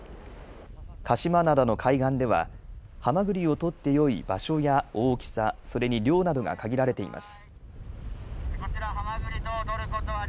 鹿島灘の海岸ではハマグリをとってよい場所や大きさ、それに量などが限られています。